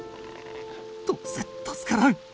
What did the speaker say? どうせ助からん！